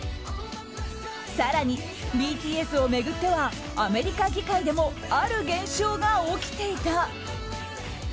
更に、ＢＴＳを巡ってはアメリカ議会でもある現象が起きていた。